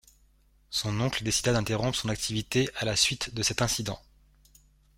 Son oncle décida d'interrompre son activité à la suite de cet incident.